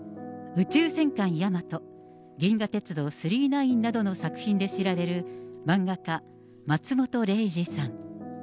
宇宙戦艦ヤマト、銀河鉄道９９９などの作品で知られる漫画家、松本零士さん。